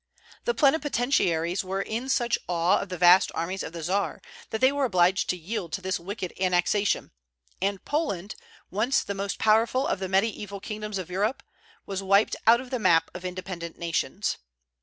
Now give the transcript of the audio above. The plenipotentiaries were in such awe of the vast armies of the Czar, that they were obliged to yield to this wicked annexation; and Poland once the most powerful of the mediaeval kingdoms of Europe was wiped out of the map of independent nations.